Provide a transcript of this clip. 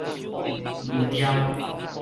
濾掉